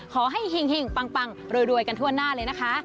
ขอให้เห็งปังรวยกันทั่วหน้าเลยนะคะ